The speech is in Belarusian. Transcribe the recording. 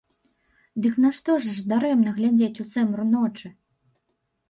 Дык нашто ж дарэмна глядзець у цемру ночы?